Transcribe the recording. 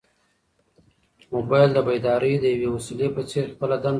موبایل د بیدارۍ د یوې وسیلې په څېر خپله دنده ترسره کړه.